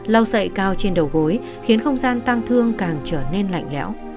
lào sậy cao trên đầu gối khiến không gian tăng thương càng trở nên lạnh lẽo